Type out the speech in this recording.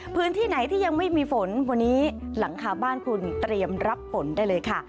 พื้นที่ไหนที่ยังไม่มีฝนวันนี้หลังคาบ้านคุณเตรียมรับฝนได้เลยค่ะ